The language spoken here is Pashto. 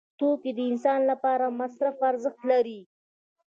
توکي د انسان لپاره مصرفي ارزښت لري.